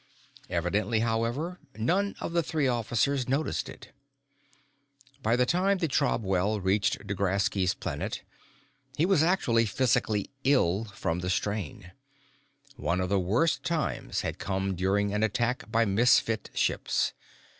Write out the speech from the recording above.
Evidently, however, none of the three officers noticed it. By the time the Trobwell reached D'Graski's Planet, he was actually physically ill from the strain. One of the worst times had come during an attack by Misfit ships.